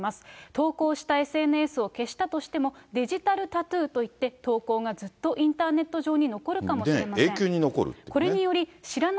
投稿したＳＮＳを消したとしても、デジタルタトゥーといって投稿がずっとインターネット上に残るか永久に残るということですね。